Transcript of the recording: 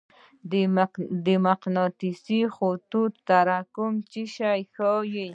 د مقناطیسي خطونو تراکم څه شی ښيي؟